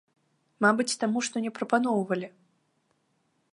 Мабыць, таму, што не прапаноўвалі.